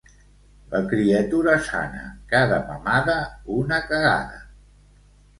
La criatura sana, cada mamada, una cagada.